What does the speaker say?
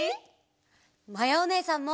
まやおねえさんも！